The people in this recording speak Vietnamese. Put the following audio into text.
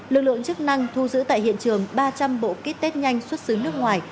lực lượng chức năng thu giữ tại hiện trường ba trăm linh bộ kit test nhanh xuất xứ nước ngoài